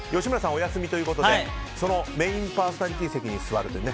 お休みということでそのメインパーソナリティー席に座るというね。